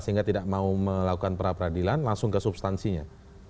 sehingga tidak mau melakukan perapradilan langsung ke substansinya